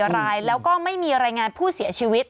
รายแล้วก็ไม่มีรายงานผู้เสียชีวิต